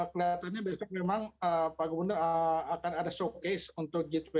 kelihatannya besok memang pak gubernur akan ada showcase untuk g dua puluh